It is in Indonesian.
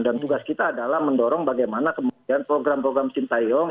dan tugas kita adalah mendorong bagaimana kemudian program program sintayong